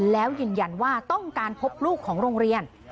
แล้วยืนยันว่าต้องการพบลูกของโรงเรียน